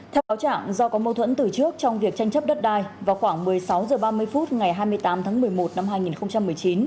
theo cáo trạng do có mâu thuẫn từ trước trong việc tranh chấp đất đai vào khoảng một mươi sáu h ba mươi phút ngày hai mươi tám tháng một mươi một năm hai nghìn một mươi chín